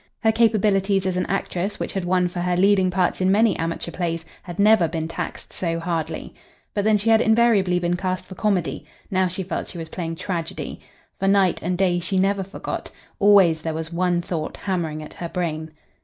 Her capabilities as an actress, which had won for her leading parts in many amateur plays, had never been taxed so hardly. But then she had invariably been cast for comedy. Now she felt she was playing tragedy. For night and day she never forgot. Always there was one thought hammering at her brain.